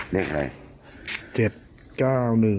เลขอะไร